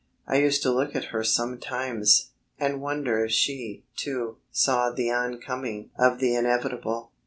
I used to look at her sometimes, and wonder if she, too, saw the oncoming of the inevitable.